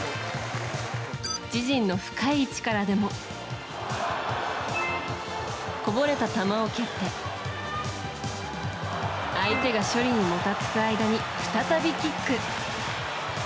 自陣の深い位置からでもこぼれた球を蹴って相手が処理にもたつく間に再びキック。